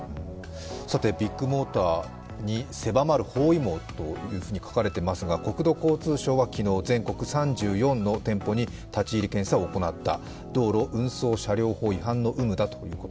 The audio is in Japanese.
ビッグモーターに狭まる包囲網というふうに書かれていますが、国土交通省は昨日、全国３４の店舗に立ち入り検査を行った。